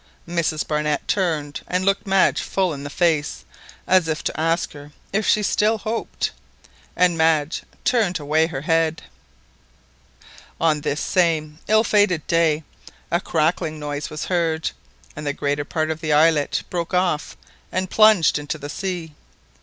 Mrs Barnett turned and looked Madge full in the face, as if to ask her if she still hoped, and Madge turned away her head. On this same ill fated day a crackling noise was heard, and the greater part of the islet broke off, and plunged into the sea.